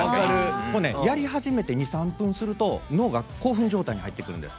やり始めて２３分すると脳が興奮状態に入ってくるんです。